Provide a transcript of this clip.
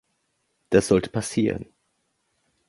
Das sollte passieren.